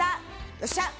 よっしゃ！